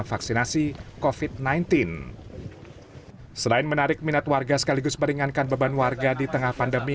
vaksinasi kofit sembilan belas selain menarik minat warga sekaligus meringankan beban warga di tengah pandemi